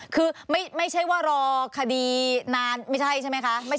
คือไม่ใช่ว่ารอคดีนานไม่ใช่ใช่ไหมคะ